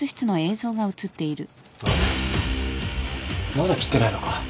まだ切ってないのか。